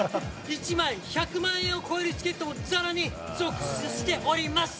１枚１００万円を超えるチケットもざらに続出しております。